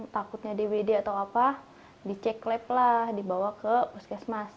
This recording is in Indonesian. takutnya dwd atau apa dicek lab lah dibawa ke puskesmas